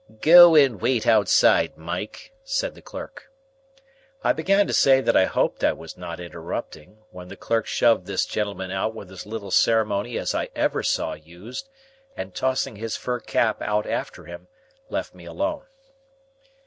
"Go and wait outside, Mike," said the clerk. I began to say that I hoped I was not interrupting, when the clerk shoved this gentleman out with as little ceremony as I ever saw used, and tossing his fur cap out after him, left me alone.